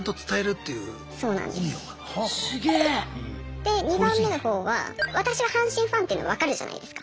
で２番目の方は私が阪神ファンっていうのわかるじゃないですか。